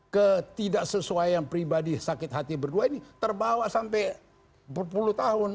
ketidaksesuaian pribadi sakit hati berdua ini terbawa sampai berpuluh tahun